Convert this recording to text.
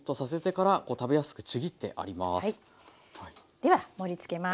では盛りつけます。